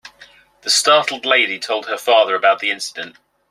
The startled lady told her father about the incident.